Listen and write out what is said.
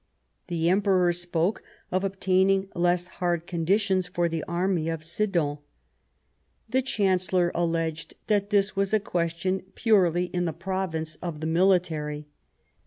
The Emperor spoke of obtaining less hard conditions for the Army of Sedan. The Chancellor alleged that this was a question purely in the province of the military.